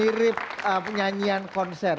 mirip nyanyian konser